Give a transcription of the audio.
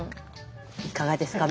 いかがですか？